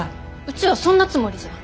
うちはそんなつもりじゃ。